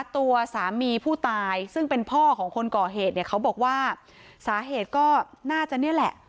ตัวสามีผู้ตายซึ่งเป็นพ่อของคนก่อเหตุเนี่ยเขาบอกว่าสาเหตุก็น่าจะนี่แหละ